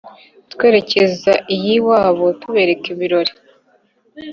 Twerekaza iyo iwabo Tubereka ibirori;